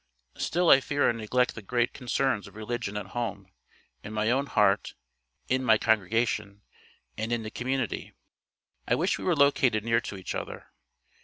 Still I fear I neglect the great concerns of religion at home, in my own heart, in my congregation, and in the community. I wish we were located near to each other.